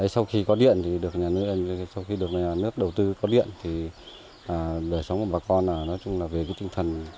sau khi có điện thì được nhà nước đầu tư có điện thì đời sống của bà con nói chung là về cái tinh thần